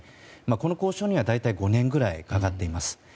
この交渉には大体５年くらいかかっています。